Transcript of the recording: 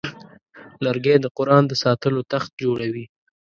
لرګی د قرآن د ساتلو تخت جوړوي.